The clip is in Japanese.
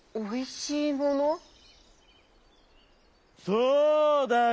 「そうだよ。